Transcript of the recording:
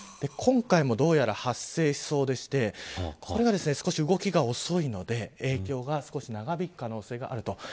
今回もどうやら発生しそうでしてこれが少し動きが遅いので影響が少し長引く可能性があると。